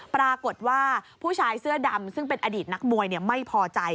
ปรากฏว่าผู้ชายเสื้อดำซึ่งเป็นอดีตนักมวยไม่พอใจ